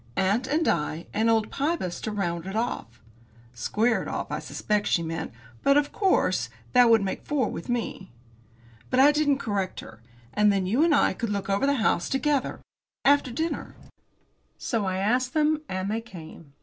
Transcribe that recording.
Aunt and I, and old Pybus to round it off." Square it off, I suspect she meant, because, of course, that would make four with me. But I didn't correct her. "And then you and I could look over the house together after dinner." So I asked them. And they came.